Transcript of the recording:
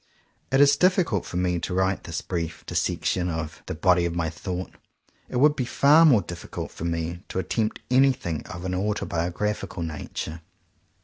If it is difficult for me to write this brief dissection of "the body of my thought," it would be far more difficult for me to attempt anything of an autobiographical nature.